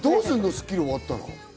『スッキリ』終わったら。